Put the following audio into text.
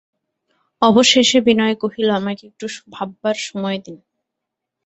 অবশেষে বিনয় কহিল, আমাকে একটু ভাববার সময় দিন।